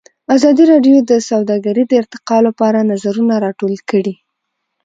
ازادي راډیو د سوداګري د ارتقا لپاره نظرونه راټول کړي.